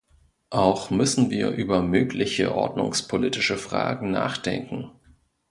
Auch müssen wir über mögliche ordnungspolitische Fragen nachdenken.